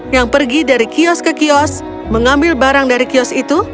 yang pergi dari kios ke kios mengambil barang dari kios itu